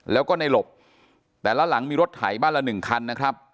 แล้วก็ในหลบแต่ละหลังมีรถไถบ้านละหนึ่งคันนะครับ